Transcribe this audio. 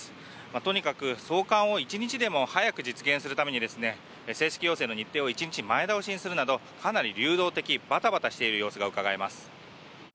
とにかく送還を一日でも早く実現するために正式要請の日程を１日前倒しするなどかなり流動的バタバタしている様子がうかがえます。